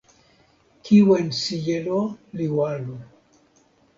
kiwen sijelo li walo.